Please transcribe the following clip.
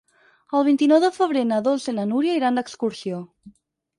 El vint-i-nou de febrer na Dolça i na Núria iran d'excursió.